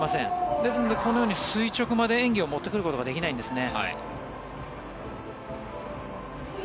ですのでこのように垂直まで演技を持ってくることができないんですね。